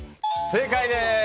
正解です！